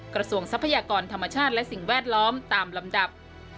ทรัพยากรธรรมชาติและสิ่งแวดล้อมตามลำดับ